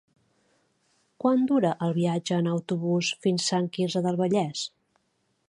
Quant dura el viatge en autobús fins a Sant Quirze del Vallès?